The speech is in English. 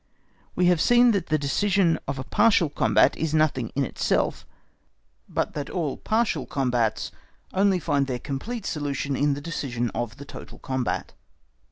We have seen that the decision of a partial combat is nothing in itself, but that all partial combats only find their complete solution in the decision of the total combat.